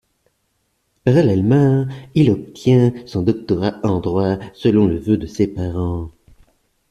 Parallèlement, il obtient son doctorat en droit selon le vœu de ses parents.